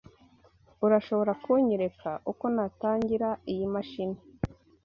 Urashobora kunyereka uko natangira iyi mashini?